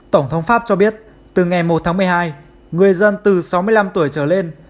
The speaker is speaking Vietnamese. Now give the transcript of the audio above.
tổng thống pháp cho biết từ ngày một tháng một mươi hai người dân từ sáu mươi năm tuổi trở lên